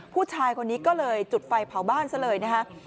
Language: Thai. ผู้ชายคนนี้ก็เลยจุดไฟเผาบ้านซะเลยนะฮะ